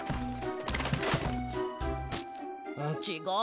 ちがう。